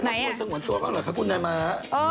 เขียนมา